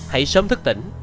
hãy sớm thức tỉnh